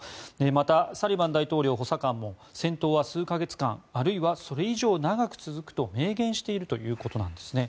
また、サリバン大統領補佐官も戦闘は数か月間あるいはそれ以上長く続くと明言しているということです。